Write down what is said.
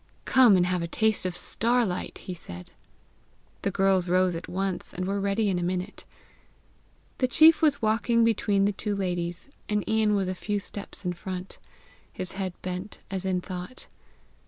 "Come and have a taste of star light!" he said. The girls rose at once, and were ready in a minute. The chief was walking between the two ladies, and Ian was a few steps in front, his head bent as in thought.